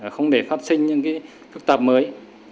không để phát sinh những phức tạp mới